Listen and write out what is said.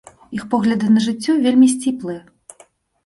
Іх погляды на жыццё вельмі сціплыя.